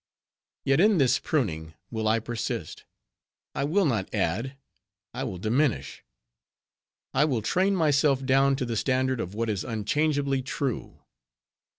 Yet in this pruning will I persist; I will not add, I will diminish; I will train myself down to the standard of what is unchangeably true.